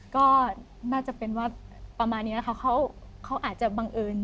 ก็น่าจะเป็นว่าประมาณนี้ค่ะเขาอาจจะบังเอิญ